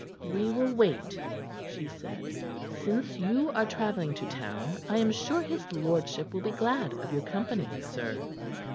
"We will wait," she said. "Since you are travelling to town, I am sure his lordship will be glad of your company, sir."